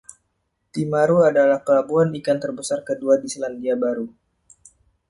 Timaru adalah pelabuhan ikan terbesar kedua di Selandia Baru.